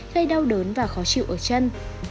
gây đau đớn và khó chịu ở chân